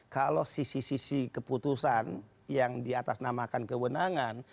kalau sisi sisi keputusan yang diatasnamakan kewenangan